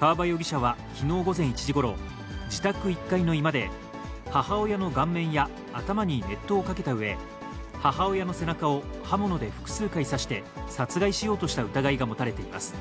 川場容疑者はきのう午前１時ごろ、自宅１階の居間で、母親の顔面や頭に熱湯をかけたうえ、母親の背中を刃物で複数回刺して、殺害しようとした疑いが持たれています。